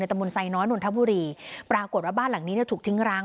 ตะมนต์ไซน้อยนนทบุรีปรากฏว่าบ้านหลังนี้เนี่ยถูกทิ้งร้าง